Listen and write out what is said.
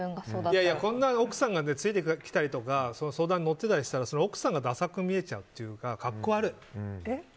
こんな奥さんがついて来たり相談に乗ってきたりしたら奥さんがダサく見えちゃうっていうか格好悪い。